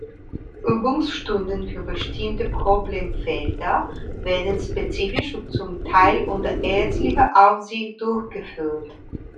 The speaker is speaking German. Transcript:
Übungsstunden für bestimmte Problemfelder werden spezifisch und zum Teil unter ärztlicher Aufsicht durchgeführt.